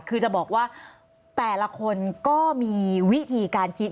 คือจะบอกว่าแต่ละคนก็มีวิธีการคิด